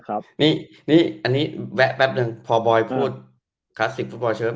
อันนี้แวะแป๊บนึงพอบอยพูดคลาสสิกฟุตบอลเชฟ